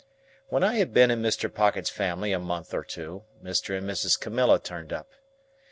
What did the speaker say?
When I had been in Mr. Pocket's family a month or two, Mr. and Mrs. Camilla turned up.